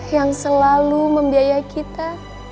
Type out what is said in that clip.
yang selalu membiayai kita